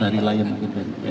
dari lion mungkin dari wna